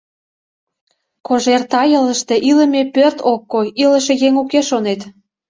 Кожер тайылыште илыме пӧрт ок кой — илыше еҥ уке, шонет.